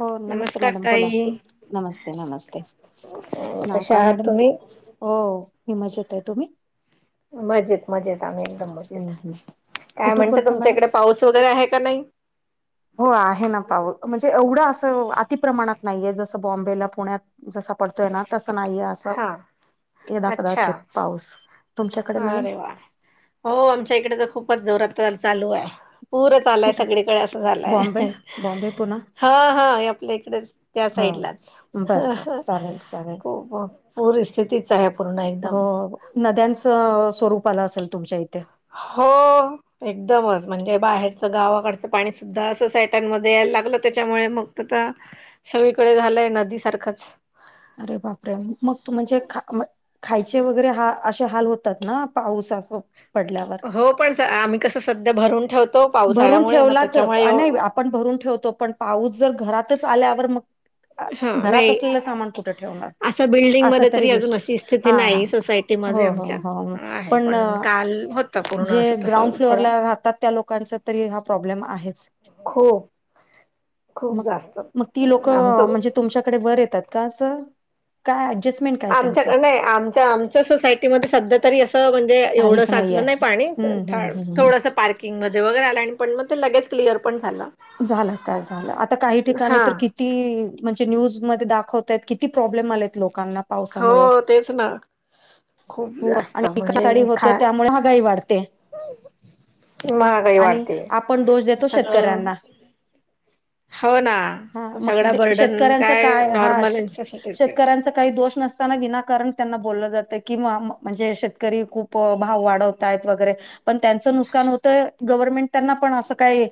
हो नमस्ते नमस्कार मॅडम बोला ताई. नमस्ते नमस्ते नाव कशा काय आहात मॅडम तुम्ही तुम ओ मी मजेत आहे तुम्ही? मजेत मजेत आम्ही एकदम हम्म मजेत, हम्म. काय कुठून म्हणत बोलता तुमच्या मॅडम इकडे पाऊस वगैरे आहे का नाही? हो आहे ना पाऊस म्हणजे एवढं असं अतिप्रमाणात नाहीये जसं बॉम्बेला, पुण्यात जसं पडतोय ना तसं नाहीये असं हा यदा अच्छा कदाचीत पाऊस. तुमच्याकडे मॅडम अरे वा हो आमच्या इकडे तर खूपच जोरात तर चालू आहे. पुरचं आलाय कुठे सगळीकडे असं झाला बॉम्बे आहे. बॉम्बे पुणा हा हा आपल्या इकडेच त्या हा साईडलाच बरं हा बर हा चालेल चालेल खूप पूर स्थितीच आहे पूर्ण एकदम. हो नद्यांचं स्वरूप आलं असेल तुमच्या इथे. हो. एकदमच म्हणजे बाहेरचं गावाकडचं पाणी सुद्धा सोसायट्यांमध्ये यायला लागलं त्याच्यामुळे मग तता सगळीकडे झालंय नदी सारखंच. अरे बापरे मग तू म्हणजे खा म खायचे वगैरे हा अशे हाल होतात ना पाऊस असं पडल्यावर. हो पण सा आम्ही कसं सध्या भरून ठेवतो पावसाळ्यामुळे मग त्याच्यामुळे येव पण भरून ठेवतो पण पाऊस जर घरातच आल्यावर मग हा घरात नाही असलेलं सामान कुठे ठेवणार असं असं बिल्डिंगमध्ये तरी विष अजून अशी स्थिती हा हा. नाही हो सोसायटीमध्ये हो आमच्या हो आहे पण काल होत पूर्ण जे असं तस ग्राउंड थोडं फ्लोरला राहतात त्या लोकांचा तरी हा प्रॉब्लेम आहेच. खूप खूप मग जास्त मग ती अं, लोकं आमचं म्हणजे तुमच्या कडे वर येतात का असं काय ऍडजस्ट आमच्या नाही आमच्या आमच्या सोसायटीमध्ये सध्या तरी असं म्हण दे एवढं काहीच नाहीये. साचलं नाही पाणी कर हं, हं, थाड हं, हं. थोडसा पार्क किंग मध्ये वगैरे आलं आणि पण म ते लगेच क्लिअर पण झालं. झाला का झालं आता काही ठिकाणी हा तर कि ती म्हणजे न्यूजमध्ये दाखवतात किती प्रॉब्लेम आलेत लोकांना. हो पावसामुळं तेच ना. खूप हो आणि जास्त म्हणजे [unintelligible] होते खा त्यामुळे महागाई वाढते. महागाई आणि वाढते आपण दोष देतो सगळं शेतकऱ्यांना. हो ना हा मग सगळा दे बर्डन शेतकऱ्यांचा काय हा नॉर्मल यांच्यासाठीच आहे. शेतकऱ्यांचा काही दोष नस ताना विनाकारण त्यांना बोललं जातं कि माम म्हणजे शेतकरी खूप भाव वाढवतय वगैरे. पण त्यांचं नुसकान होतंय गव्हर्नमेंट त्यांना पण असं काही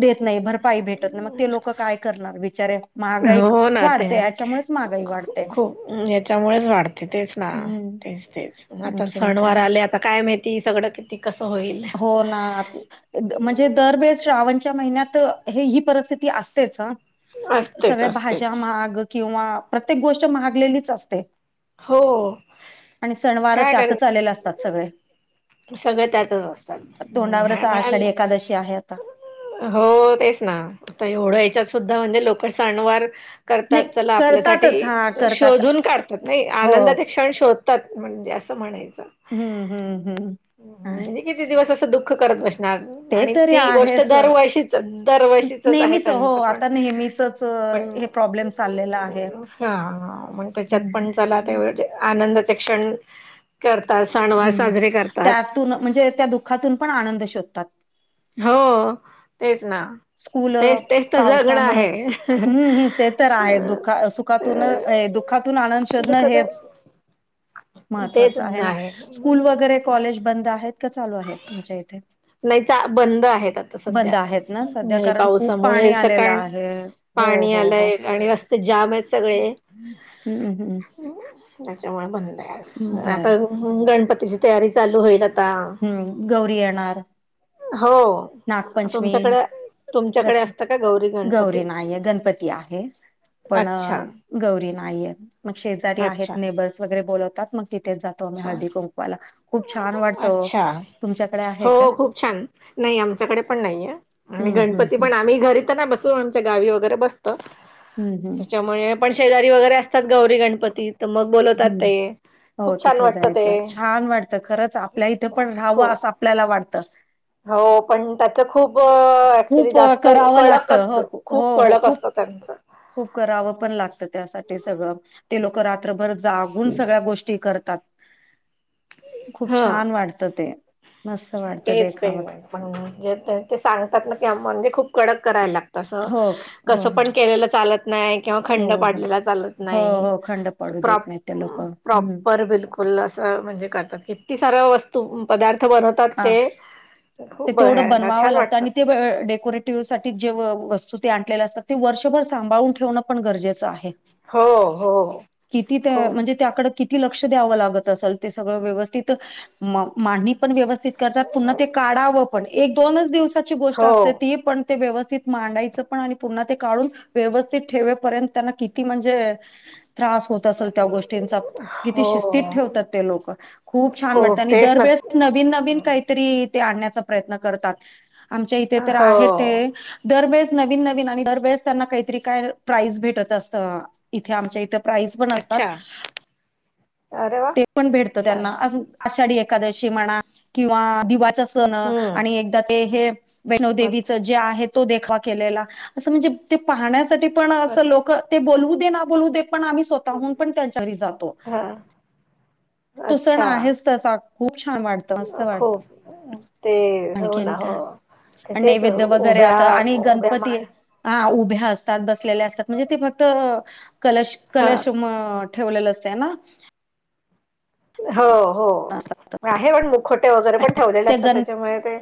देत नाही भरपाई भेटत नाही मग ते लोकं काय करणार बिचारे. महागाई हो, ना ते वाढते ह्याच्यामुळेच महागाई वाढते खूप याच्यामुळेच वाढतं. ते तेच ना हम्म तेच तेच म आता आणखीन काय? सणवार आले आता काय माहिती सगळं कि ते कसं होय हो ना आत द म्हणजे दरवेळ श्रावणच्या महिन्यात हे ही परिस्थिती असतेच हा. असतेच सगळ्या असतेच. भाज्या महाग किंवा प्रत्येक गोष्ट महागलेलीच असते. हो आणि सणवार त्यातच आलेले असतात सगळे. सगळं त्यातच अस तोंडावरच आषाढी एकादशी आहे आता. हो तेच ना आता एवढ्या हेच्यात सुद्धा म्हणजे लोकं साणवार करतात नाही चला करतातच आपल्यासाठी हा करतात शोधून काढतात नाही. हो आनंदाचे क्षण शोध तत म्हणजे असं म्हणायचं. हम्म. हम्म. हम्म. हम्म हम्म, आहे. म्हणजे किती दिवस असं दुःख करत बस ते आणि तरी ती गोष्ट आहेच. दरवर्षीच, दरवर्षीचच आहे नेहमीच त्यांच हो पण आता नेहमीचच पण हे प्रॉब्लेम चाललेला आहे. हा, मग त्याच्यातपण चला हम्म. तेवढा ते आनंद प्रत्येक क्षण करतात, सणवार हम्म साजरे कर त्यातून म्हणजे त्या दुःखातूनपण आनंद शोधतात. हो, तेच ना. स्कूल तेच तेच तर जगणं पावसामुळे. आहे अं, हम्म हम्म ते तर आहे दुख. का सुखातून ये अं, दुः दुःखातून आनंद शोधणं दुःख तर हेच महत्वाचं आहे ना. स्कूल वगैरे कॉलेज बंद आहेत का चालू आहेत तुमच्या इथे? नाही तर बंद आहेत आता सध्या. बंद आहेत ना सध्या हे कारण खूप पाणी पावसामुळे आलेलं सकाय आहे. हो पाणी हो हो आलंय आणि रस्ते जाम आहेत सगळे. हम्म हम्म. त्याच्यामुळे बंद हाय. हम्म. बर आता गणपतीची तयारी चालू होईल आता. हम्म, गौरी येणार. हो. नागपंचमी, तुमच्याकडे तुमच्याकडे रक्ष, असतं का गौरी गौरी गणपती नाहीये, गणपती आहे. पण अच्छा गौरी नाहीये, मग शेजारी आहेत अच्छा नेबर्स वगैरे बोलवतात, मग तिथे जात. तो मी हा हळदी कुंकवाला, खूप छान वाटतं ओ, अच्छा तुमच्याकडे आहे हो का? खूप छान, नाही आमच्याकडे पण नाहीये आणि हम्म हम्म हम्म. गणपतीपण आम्ही घरी इथं नाय बस आमच्या गावी वगैरे बसतं हम्म हम्म त्याच्यामुळे पण शेजारी वगैरे असतात गौरी गणपतीत, मग बोलवतात हम्म ते. हो, खूप छान तिथे वाटतं ते जायचं छान वाटतं खरंच आपल्या इथे पण राहावं खूप असं आपल्याला वाटतं. हो पण त्याच खूप हो ऍक्च्युली खूप अ, जास्त, करावं कडक लागतं हो असतं हो खूप हो कडक खूप असतं त्यांचं. खूप करावंपण लागतं त्यासाठी सगळं. ते लोक, रात्रभर जागून सगळ्या गोष्टी करतात. खूप हा छान वाटतं ते मस्त वाटतं ते देखावा. ते सांगतात ना की म्हणजे खूप कडक करायला लागता तसं हो हो कापण केलेलं चालत नाही किंवा हो खंड हो पाडलेला चालत हो नाही. हो खंड पडू देत प्रॉप नाहीत ते लोक हम्म प्रॉपर बिलकुल फुल्ल असं म्हणजे करतात, किती साऱ्या वस्तू पदार्थ बनवतात. हा. ते खूप ते तेवढं बघायला बनवावं छान लागतं वाटतं आणि ते डेकोरेट [unintelligible] साठी जे वस्तू ते आणलेल्या असतात, ते वर्षभर सांभाळून ठेवणं पण गरजेचं आहेच. हो हो किती तर खूप म्हणजे त्याकड किती लक्ष द्याव लागत असेल ते सगळं व्यवस्थित मांडणी पण व्यवस्थि ते करतात पुन्हा ते काढावं पण, एक दोनच दिवसाची गोष्ट हो असते ती पण ते व्यवस्थित मांडायचं पण आणि पुन्हा ते काढून व्यवस्थित ठेवेपर्यंत त्यांना किती म्हणजे त्रास होत त असेल त्या गोष्टीचा किती हो शिस्तीत ठेवतात ते लोकं. खूप छान वाटतं आणि तेच दर ना वेळेस नवीन नवीन काहीतरी ते आणण्याचा प्रयत्न करतात. आमच्या इथे तर हो आहे ते दरवेेळेस नवीन, नवीन आणि दरवेेळेस त्यांना काहीतरी काय प्राईज भेटत असतं इथे आमच्या इथं. प्राईज, पण असतात अच्छा अरे वा ते पण भेटतं छान त्यांना. आषाढी एकादशी म्हणा किंवा दिवाचा सण हम्म आणि एकदा ते हे वैणोदेवीच अच्छा जे आहे तो देखावा केलेला, असं म्हणजे ते पाहण्यासाठी पण असं अच्छा लोकं ते बोलू दे ना, बोलू दे पण आम्ही स्व काऊन पण त्यांच्या घरी जातो हा तो सण अच्छा आहेच. तसा खूप छान वाटतं, मस्त वाटतं. खूप ते हो आणखीन ना हो. काय? तर आणि तेच नैवेद्य वगैरे, उभ्या असं आणि उभ्या गणपती मान हा उभ्या असतात, बसलेल्या असतात, म्हणजे ते फक्त कलश हा कलश म ठेवलेलं असतय ना हो, हो, असतात. आहे पण मुखोटे वगैरे पण, ठेवलेले ते असतात गण त्याच्यामुळे ते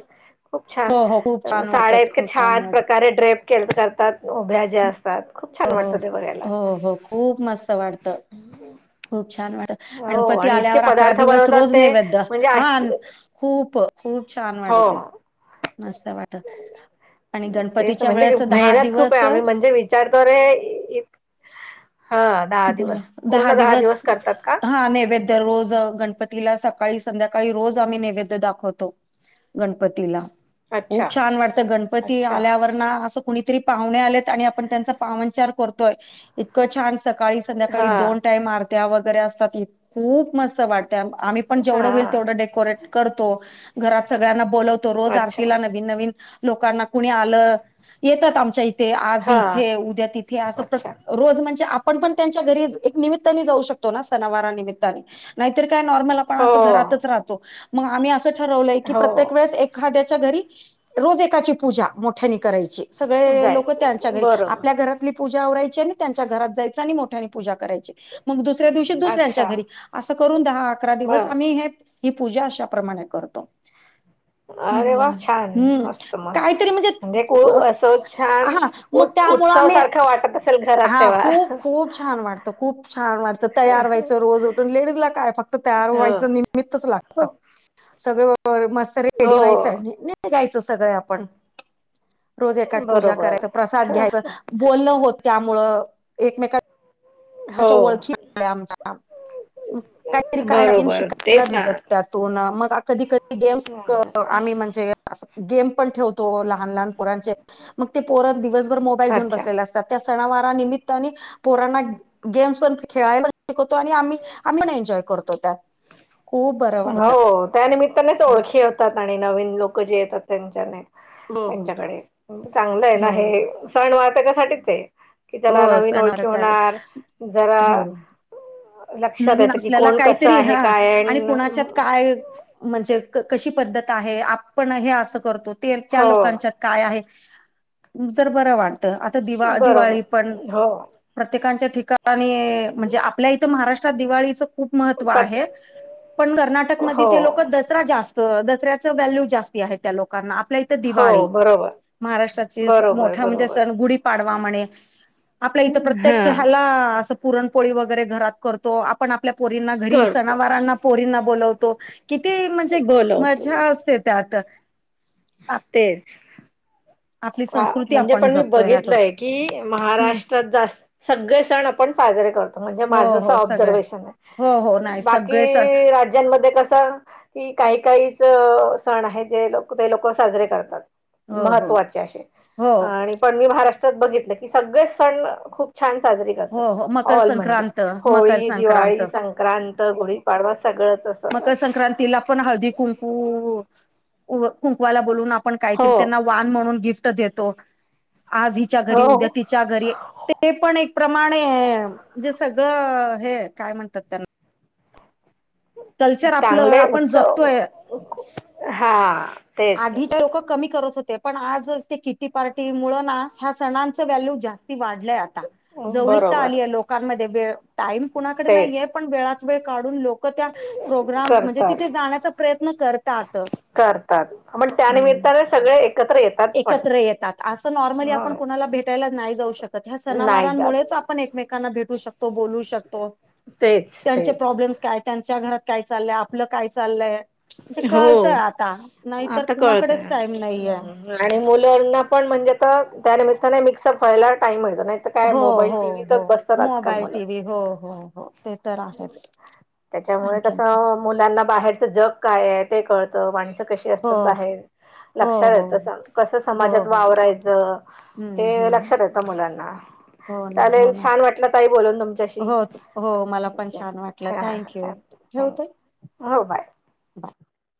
खूप छान हो हो खूप छान साड्या वाटत इतक्या खूप छान वाटत प्रकारे ड्रेप केलं तर करतात उभ्या ज्या असतात खूप छान हो वाटतं ते हो बघायला. हो. हो. खूप मस्त वाटतं. खूप छान वाटत, हो गणपती आणि इतके आल्यावर अकरा पदार्थ दिवस बनवतात रोज ते नैवेद्य म्हणजे आश्च आणं खूप खूप छान हो. वाटतंय. मस्त वाटत आणि तेच गणपतीच्या वेळेस दहा दिवस चार व्दारे हा दहा दिवस पूर्ण दहा दिवस करतात का? हा. नैवेद्य दररोज गणपतीला सकाळी, संध्याकाळी रोज आम्ही नैवेद्य दाखवतो. गणपतीला, अच्छा. खूप छान वाटत गणपती अच्छा आल्यावर ना असं कुणीतरी पाहुणे आलेत आणि आपण त्यांचा पावणचार करतोय इतकं छान सकाळी संध्याकाळी हा दोन टाईम आरत्या वगैरे असतात खूप मस्त वाटत्या आम्ही आपण हा जेवढं होईल तेवढं डेकोरेट करतो, घरात सगळ्यांना बोलावतो रोज अच्छा आरतीला नवीन नवीन लोकांना, कुणी आलं येतात आमच्या इथे आज हा इथे उद्या तिथे असं प्रत्ये अच्छा रोज म्हणजे, आपण पण त्यांच्या घरी एक निमित्ताने जाऊ शकतो ना सणावार निमित्ताने. नाहीतर काय नॉर्मल आपण हो अस घरातच राहतो. मग आम्ही असं ठरवलंय की हो प्रत्येक वेळेस एक एखाद्याच्या घरी रोज एकाची पूजा. मोठ्यांनी करायची सगळे लोक त्यांच्या जाईल घरी. बरोबर आपल्या घरातली पूजा आवरायची आणि त्यांच्या घरात जायचं. सानी मोठ्यांनी पूजा करायची. मग दुसऱ्या दिवशी दुसऱ्यांच्या अच्छा घरी, असं करून दहा अकरा दिवस बर आम्ही हे ही, पूजा अशा प्रमाणे करतो. अरे बोला. वा छान हम्म, मस्त मस्त काहीतरी म्हणजे खूप असं छान हा मग, उत् त्यामुळं उत्सव आम्ही सारखं वाटत असेल घरात हा तेव्हा खूप, खूप खूप छान वाटतं, खूप छान वाटतं, तयार व्हायचं, रोज उठून लेडीज ला काय फक्त तयार व्हायचं हो निमी मिठच लागत सगळं ओ होय मस्त हो रेडी व्हायचं आणि निघायचं सगळे आपण. रोज एखादं पूजा करायच बरोबर प्रसाद घ्यायचं, बोलणं होत त्यामुळं एकमेकात हो ओळखी झाल्या आमच्या काहीतरी काय नवीन बरोबर शिकायला तेच ना भेटत. त्यातून मग, कधी कधी गेम्स हम्म. आम्ही म्हणजे गेम पण ठेवतो. तो लहान लहान पोरांचे. मग ते पोर दिवसभर मोबाईल घेऊन अच्छा बसलेले अस त्या त्या सणावार निमित्ताने पोरांना गेम्स पण, खेळायला पण शिकवतो आणि आम्ही, आम्ही पण एन्जॉय करतो त्या खूप बरं वाटतं हो, त्यानमित्तानेच ओळखी होतात आणि नवीन लोक जे येतात त्यांच्याने. हो हो त्यांच्याकडे चांगलं आहे ना हो हे सणवार त्याच्यासाठीच आहे. की, त्याला हो नवीन ओळखी सणावारात होणार जरा हो लक्षात नवीन येत की, आपल्याला कोण कसं काहीतरी आहे हा काय आहे. आणि अन काय म्हणजे, कशी पद्धत आहे आपण हे अस करतो ते त्या लोकांच्यात हो काय आहे, जर बरं वाटतं आता दिवा दिवाळी. पण, बरोबर हो प्रत्येकच्या ठिकाणी म्हणजे, आपल्या इथं महाराष्ट्रात दिवाळीच खूप महत्व पत आहे, पण कर्नाटकमध्ये हो ते लोक दसरा जास् दसऱ्याच व्हॅल्यू जास्त आहे, त्या लोकांना आपल्या तर, हो दिवाळी बरोबर महाराष्ट्राची बरोबर मोठा म्हणजे बरोबर सण म्हणजे गुढी पाडवा म्हणे. आपल्या इथं, हा प्रत्येक ह्याला असं पुरणपोळी वगैरे घरात करतो आपण आपल्या पोरींना घरी करतो सणावारांना पोरींना बोलवतो किती म्हणजे चीक मजा बोलवतो असते त्यात. आप तेळ आपली संस्कृती म्हणजे, आपण पण मी जपतो ह्यात बघितलंय की हम्म महाराष्ट्रात जास्त सगळे सण आपण साजरे करतो. म्हणजे, हो माझं असं हो सगळे ऑब्झर्वेशन आहे हो हो नाही बाकी सगळे सण राज्यांमध्ये कसं? कि काही काहीचा सण आहे जे लोकं ते लोकं साजरे करतात. हो. हो. महत्त्वाचे हो आणि पण मी महाराष्ट्रात बघितलं की, सगळे सण खूप छान साजरी करतात हो हो मकर ऑल म्हणजे संक्रांत मकर होळी, संक्रांत दिवाळी, संक सक्रांत, गुढीपाडवा सगळंच असं मकर संक्रांतीला पण हळदी कुंकू कुंकुवाला बोलून आपण पण हो काहीतरी त्यांना वान म्हणून गिफ्ट देतो आज हिच्या घरी हो उद्या तिच्या घरी ते पण एक प्रमाणे जे सगळं हे काय म्हणतात त्याला. आपलं चांगले आपण उत्सव जपतोय हा. तेच. आधीचे लोक कमी करत होते. पण, आज ते किटी पार्टी मुळं ना ह्या सणांच वॅल्यू जास्ती वाढलीयत पण ता जवळीता बरोबर आलीये लोकांमध्ये वेळ टाईम कुणाकडे तेच नाहीये पण वेळात वेळ काढून लोक लोकं, त्या प्रोग्राम म्हणजे करतात तिथे जाण्याचा प्रयत्न करतात. करतात पण त्यानिमित्ताने सगळे एकत्र येतात. पण एकत्र येतात असं नॉर्मली ह आपण कोणाला भेटायला नाही जाऊ शकत ह्या नाही जात सनावारांमुळेच आ आपण एकमेकांना भेटू शकतो, बोलु शकतो, तेच त्यांचे तेच प्रॉब्लेम् काय. त्यांच्या घरात काय चाललंय, आपलं काय चाललंय. म्हणजे, हो कळतय आता नाहीतर आता कळत कुणाकडेच टाईम नाहीये. आणि मुलांना पण म्हणजे आता त्या निमित्ताने मिक्स अप व्हायला टाइम मिळतो नाही तर काय हो मोबाईल, हो टीव्हीत हो बसतात आजकाल मोबाईल मुलं. टी व्ही हो हो हो. ते तर आहेच त्याच्यामुळे आणखी काय? कसं मुलांना बाहेरचं जग काय ते कळतं, माणसं कशी हो असतात बाहेर हो लक्षात हो येत सांग, कसं हो समाजात हो वावरायचं हम्म ते हम्म लक्षात येतं मुलांना. हो ना हो चालेल ना छान वाटलं ताई बोलून तुमच्याशी. हो हो, मला पण थँक्यू छान वाटलं हा हा चालेल थँक्यू. हो बाय.